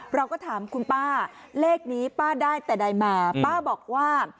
เราก็ถามคุณป้าเลขนี้ป้าได้แต่ใดมาป้าบอกว่า